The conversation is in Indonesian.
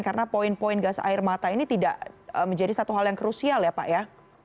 karena poin poin gas air mata ini tidak menjadi satu hal yang krusial ya pak ya